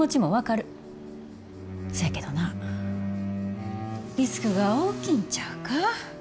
そやけどなリスクが大きいんちゃうか？